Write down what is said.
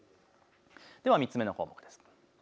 では３つ目の項目です。